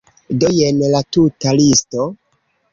Do, jen la tuta listo.